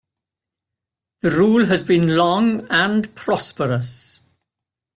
The rule has been long and prosperous.